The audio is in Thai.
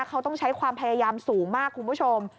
เขาต้องใช้ความพยายามสูงมากคุณผู้ชม